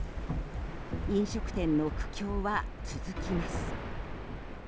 飲食店の苦境は続きます。